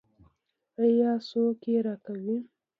آیا څوک یې راکوي؟